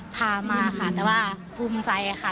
พามาค่ะแต่ว่าภูมิใจค่ะ